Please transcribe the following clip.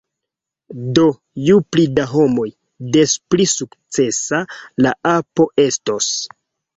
Do, ju pli da homoj, des pli sukcesa la apo estos